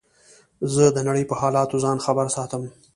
زه د نړۍ په حالاتو ځان خبر ساتم.